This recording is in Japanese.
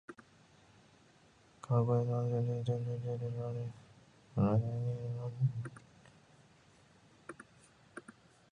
川崎の工場夜景は、工場が集積している七つの島とそれを取り囲む十六の運河の中で訪れる方々に様々な光景を見せてくれます。